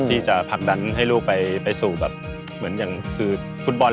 ที่จะผลักดันให้ลูกไปสู่แบบเหมือนอย่างคือฟุตบอล